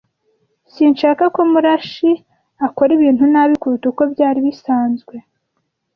Sinshaka ko Murashyi akora ibintu nabi kuruta uko byari bisanzwe.